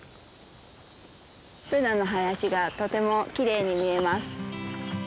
ブナの林がとてもきれいに見えます。